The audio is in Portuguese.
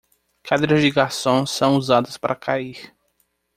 Cadeiras de garçom são usadas para cair